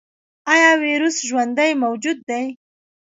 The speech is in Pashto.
ایا ویروس ژوندی موجود دی؟